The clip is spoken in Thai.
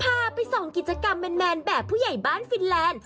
พาไปส่องกิจกรรมแมนแบบผู้ใหญ่บ้านฟินแลนด์